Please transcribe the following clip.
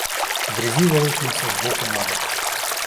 В грязи ворочаемся с боку на бок.